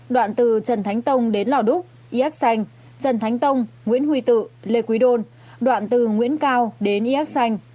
đoạn từ trần thánh tông đến lò đúc yac xanh trần thánh tông nguyễn huy tự lê quý đôn đoạn từ nguyễn cao đến yac xanh